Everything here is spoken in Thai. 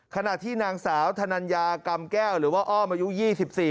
ขณะที่นางสาวธนัญญากรรมแก้วหรือว่าอ้อมอายุ๒๔ปี